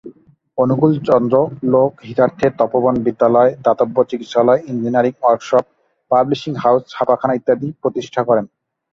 অনুকূলচন্দ্র লোকহিতার্থে তপোবন বিদ্যালয়, দাতব্য চিকিৎসালয়, ইঞ্জিনিয়ারিং ওয়ার্কশপ, পাবলিশিং হাউজ, ছাপাখানা ইত্যাদি প্রতিষ্ঠা করেন।